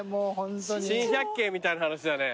『珍百景』みたいな話だね。